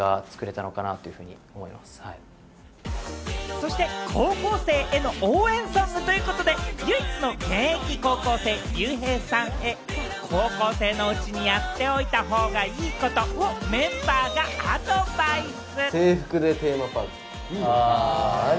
そして高校生への応援ソングということで唯一の現役高校生・ＲＹＵＨＥＩさんへ高校生のうちにやっておいた方がいいことをメンバーがアドバイス。